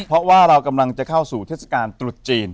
เพราะว่าเรากำลังจะเข้าสู่เทศกาลตรุษจีน